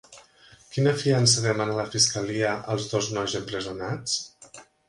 Quina fiança demana la fiscalia als dos nois empresonats?